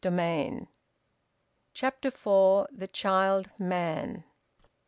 VOLUME ONE, CHAPTER FOUR. THE CHILD MAN.